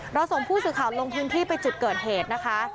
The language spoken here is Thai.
เราส่งผู้สื่อข่าวลงพื้นที่ไปจุดเกิดเหตุนะคะ